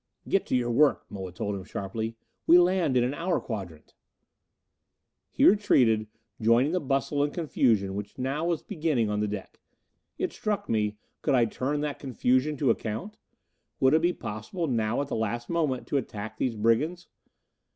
"Get to your work," Moa told him sharply. "We land in an hour quadrant." He retreated, joining the bustle and confusion which now was beginning on the deck. It struck me could I turn that confusion to account? Would it be possible, now at the last moment, to attack these brigands?